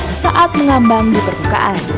dan dapat mengambang di permukaan